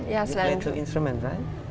kamu mempelajari instrumen bukan